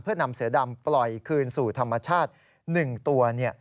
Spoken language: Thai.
เพื่อนำเสือดำปล่อยคืนสู่ธรรมชาติ๑ตัว